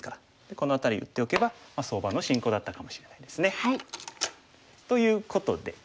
この辺り打っておけば相場の進行だったかもしれないですね。ということで。